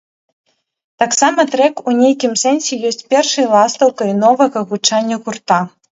Таксама трэк у нейкім сэнсе ёсць першай ластаўкай новага гучання гурта.